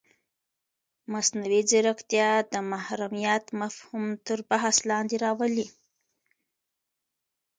مصنوعي ځیرکتیا د محرمیت مفهوم تر بحث لاندې راولي.